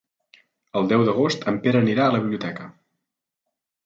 El deu d'agost en Pere anirà a la biblioteca.